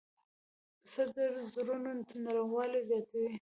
پسه د زړونو نرموالی زیاتوي.